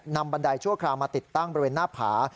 บันไดชั่วคราวมาติดตั้งบริเวณหน้าผา